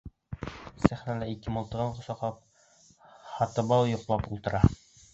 Сәхнәлә ике мылтығын ҡосаҡлап Һатыбал йоҡлап ултыра.